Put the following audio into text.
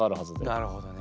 なるほどね。